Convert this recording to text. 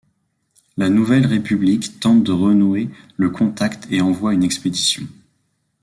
La nouvelle république tente de renouer le contact et envoie une expédition.